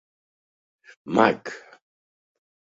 Mag: